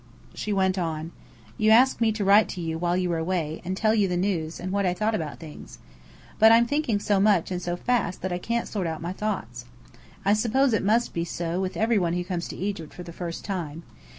She went on: You asked me to write to you while you were away, and tell you the news, and what I thought about things. But I'm thinking so much and so fast that I can't sort out my thoughts. I suppose it must be so with every one who comes to Egypt for the first time.